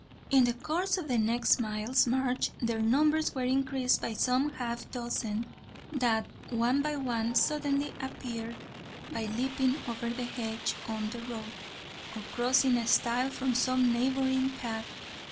In the course of the next mile's march their numbers were increased by some half dozen, that, one by one, suddenly appeared, by leaping over the hedge on the road, or crossing a stile from some neighbouring path.